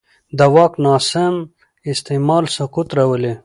د واک ناسم استعمال سقوط راولي